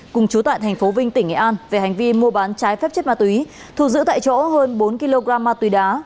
cùng chú tại tp vinh tỉnh nghệ an về hành vi mua bán trái phép chất ma túy thù giữ tại chỗ hơn bốn kg ma túy đá